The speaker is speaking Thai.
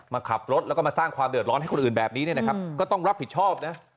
มาขับรถแล้วก็มาสร้างความเดือดร้อนให้คนอื่นแบบนี้เนี่ยนะครับก็ต้องรับผิดชอบนะ